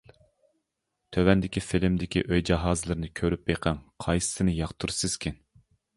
تۆۋەندىكى فىلىمدىكى ئۆي جاھازلىرىنى كۆرۈپ بېقىڭ قايسىنى ياقتۇرىسىزكىن.